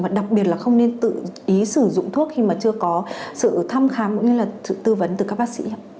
mà đặc biệt là không nên tự ý sử dụng thuốc khi mà chưa có sự thăm khám cũng như là tư vấn từ các bác sĩ